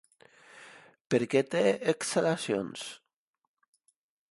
Per què té exhalacions?